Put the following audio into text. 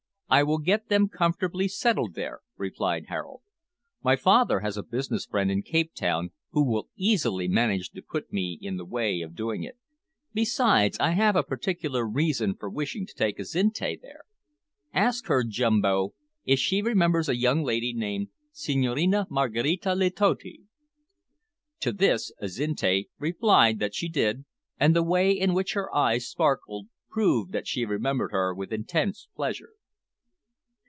"I will get them comfortably settled there," replied Harold. "My father has a business friend in Cape Town who will easily manage to put me in the way of doing it. Besides, I have a particular reason for wishing to take Azinte there. Ask her, Jumbo, if she remembers a young lady named Senhorina Maraquita Letotti." To this Azinte replied that she did, and the way in which her eyes sparkled proved that she remembered her with intense pleasure.